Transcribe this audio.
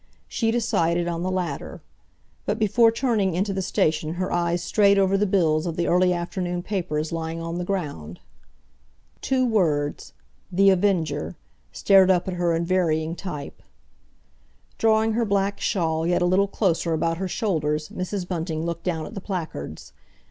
She decided on the latter. But before turning into the station her eyes strayed over the bills of the early afternoon papers lying on the ground. Two words, THE AVENGER, stared up at her in varying type. Drawing her black shawl yet a little closer about her shoulders, Mrs. Bunting looked down at the placards.